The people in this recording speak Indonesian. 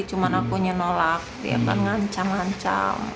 cuma aku nyenolak ya kan ngancam ngancam